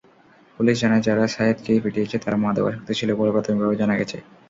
Police জানায়, যারা সায়েদকে পিটিয়েছে, তারা মাদকাসক্ত ছিল বলে প্রাথমিকভাবে জানা গেছে।